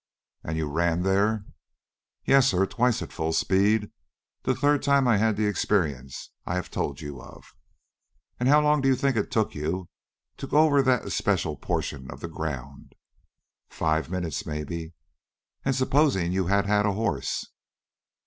"And you ran there?" "Yes, sir, twice at full speed; the third time I had the experience I have told you of." "And how long do you think it took you to go over that especial portion of ground?" "Five minutes, maybe." "And, supposing you had had a horse?"